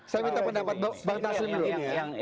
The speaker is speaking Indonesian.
saya minta pendapat bang taslim dulu